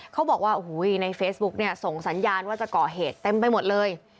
เขาบอกว่าในเฟซบุ๊กส่งสัญญาณว่าจะเกาะเหตุเต็มไปหมดเลย